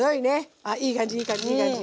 あいい感じいい感じいい感じ。